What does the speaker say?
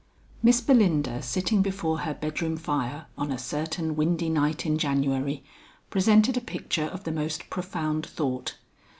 Miss Belinda sitting before her bedroom fire on a certain windy night in January, presented a picture of the most profound thought.